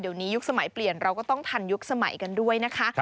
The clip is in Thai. เดี๋ยวนี้ยุคสมัยเปลี่ยนเราก็ต้องทันยุคสมัยกันด้วยนะคะ